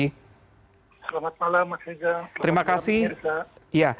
selamat malam mas riza